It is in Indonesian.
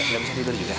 gak bisa tidur juga